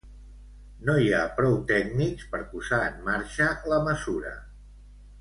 No hi ha prou tècnics per posar en marxa la mesura.